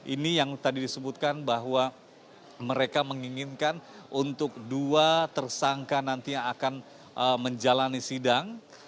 ini yang tadi disebutkan bahwa mereka menginginkan untuk dua tersangka nantinya akan menjalani sidang